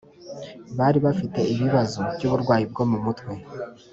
bari bafite ibibazo by’uburwayi bwo mu mutwe